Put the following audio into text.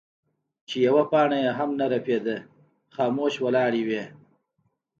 چې يوه پاڼه يې هم نۀ رپيده خاموش ولاړې وې ـ